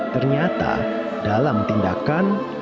ternyata dalam tindakan